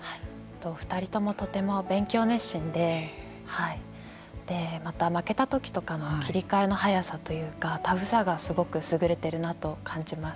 ２人ともとても勉強熱心で負けた時とかの切り替えの早さというかタフさがすごく優れているなと感じます。